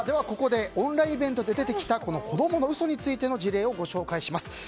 ここでオンラインイベントで出てきた子供の嘘についての事例をご紹介します。